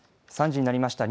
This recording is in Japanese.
３時になりました。